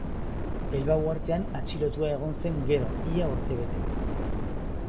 Elba uhartean atxilotua egon zen gero ia urtebete.